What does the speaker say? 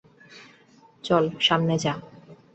চল, সামনে যা!